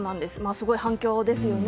すごい反響ですよね。